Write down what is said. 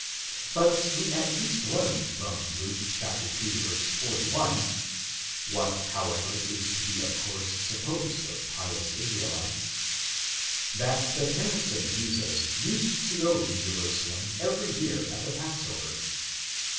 But we at least learn from Luke ii. 41 {what however is to be of course supposed of pious Israelites), that the parents of Jesus used to go to Jerusalem every year at the Passover.